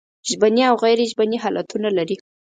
ژبني او غیر ژبني حالتونه لري.